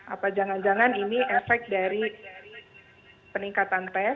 apa jangan jangan ini efek dari peningkatan tes